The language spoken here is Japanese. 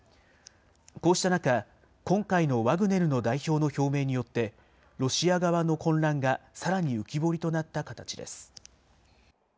こうした中、今回のワグネルの代表の表明によって、ロシア側の混乱がさらに浮き彫りとなった形です。